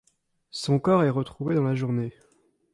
Son corps est retrouvé dans la journée.